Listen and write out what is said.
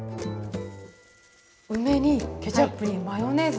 梅にケチャップにマヨネーズ。